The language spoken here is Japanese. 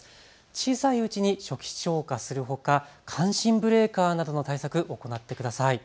小さいうちに初期消火するほか感震ブレーカーなどの対策、行ってください。